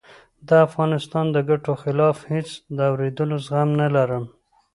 د افغانستان د ګټو خلاف هېڅ د آورېدلو زغم نه لرم